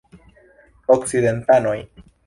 Okcidentanoj.